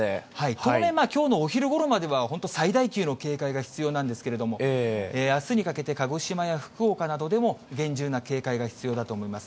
当面、きょうのお昼ごろまでは、本当、最大級の警戒が必要なんですけれども、あすにかけて鹿児島や福岡などでも、厳重な警戒が必要だと思います。